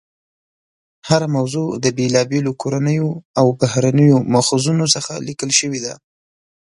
هره موضوع د بېلابېلو کورنیو او بهرنیو ماخذونو څخه لیکل شوې ده.